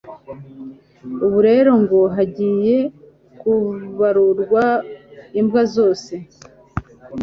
Ubu rero ngo hagiye kubarurwa imbwa zose